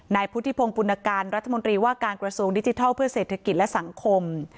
นายพุทธิพงศ์ปุณการรัฐมนตรีว่าการกระทรวงดิจิทัลเพื่อเศรษฐกิจและสังคม